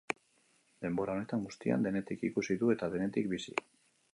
Denbora honetan guztian, denetik ikusi du eta denetik bizi.